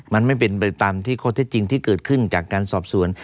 มันไม่เป็นตามที่เกิดขึ้นจากการสอบส่วน